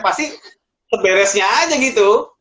pasti beresnya aja gitu